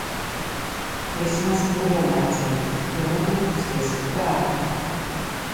Vismaz, ne vienlaicīgi, jo nebūtu, kas pieskata bērnu.